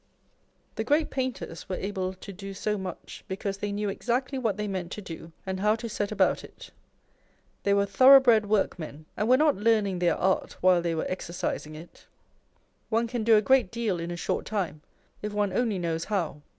The great painters were able to do so much, because they knew exactly what they meant to do, and how to set about it. They wTere thoroughbred work men, and were not learning their art while they were exercising it. One can do a great deal in a short time if one only knowTs how.